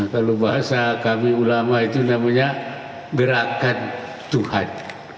kalau bahasa kami ulama itu namanya gerakan tuhan